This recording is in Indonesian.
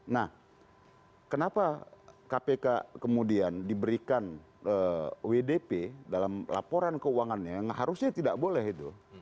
nah kenapa kpk kemudian diberikan wdp dalam laporan keuangannya yang harusnya tidak boleh itu